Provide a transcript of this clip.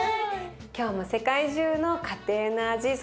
今日も世界中の家庭の味